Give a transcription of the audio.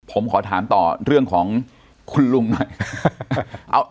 ผมขอถามต่อเรื่องของคุณลุงหน่อย